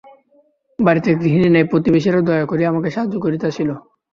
বাড়িতে গৃহিণী নাই, প্রতিবেশীরা দয়া করিয়া আমাকে সাহায্য করিতে আসিল।